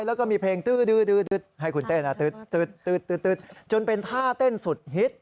แล้วก็มีเพลงตื้อให้คุณเต้นจนเป็นท่าเต้นสุดฮิต